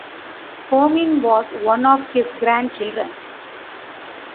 Firmin was one of his grandchildren.